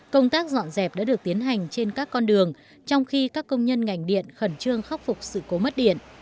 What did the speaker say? công tác dọn dẹp đã được tiến hành trên các con đường trong khi các công nhân ngành điện khẩn trương khắc phục sự cố mất điện